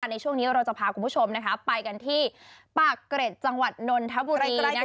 ในช่วงนี้เราจะพาคุณผู้ชมไปกันที่ปากเกร็ดจังหวัดนนทบุรี